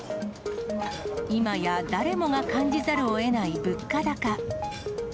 今や誰もが感じざるをえない物価高。